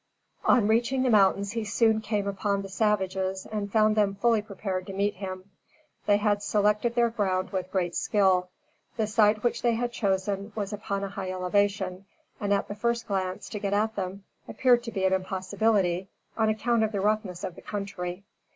On reaching the mountains he soon came upon the savages and found them fully prepared to meet him. They had selected their ground with great skill. The site which they had chosen was upon a high elevation, and at the first glance, to get at them, appeared to be an impossibility on account of the roughness of the country.